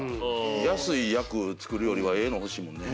安い役作るよりはええの欲しいもんね。